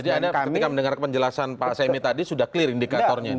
jadi ketika mendengar penjelasan pak semmy tadi sudah clear indikatornya